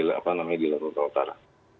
apa namanya di laut utara